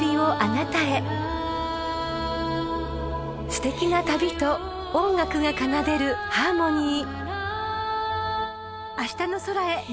［すてきな旅と音楽が奏でるハーモニー］